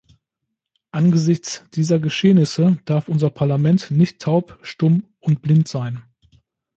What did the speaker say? Angesichts dieser Geschehnisse darf unser Parlament nicht taub, stumm und blind bleiben.